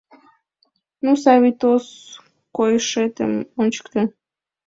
Ну, Савий тос, койышетым ончыкто!